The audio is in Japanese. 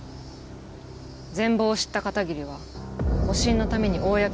全貌を知った片桐は保身のために公にはしなかったんだ。